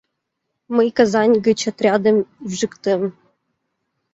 Мый Казань гыч отрядым ӱжыктем.